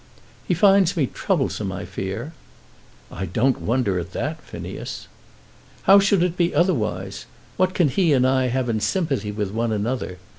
"He finds me troublesome, I fear." "I don't wonder at that, Phineas." "How should it be otherwise? What can he and I have in sympathy with one another?